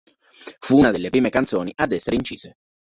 Fu una delle prime canzoni ad essere incise.